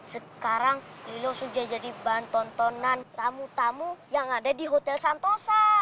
sekarang lilo sudah jadi bahan tontonan tamu tamu yang ada di hotel santosa